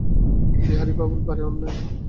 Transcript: বিহারীবাবুর ভারি অন্যায়।